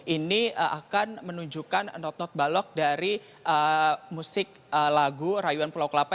ini akan menunjukkan not not balok dari musik lagu rayuan pulau kelapa